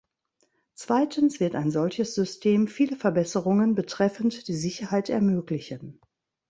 Zweitens wird ein solches System viele Verbesserungen betreffend die Sicherheit ermöglichen.